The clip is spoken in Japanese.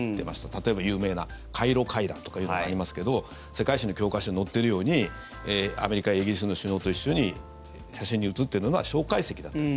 例えば、有名なカイロ会談というのがありますが世界史の教科書に載っているようにアメリカ、イギリスの首脳と一緒に写真に写っているのが蒋介石だったと。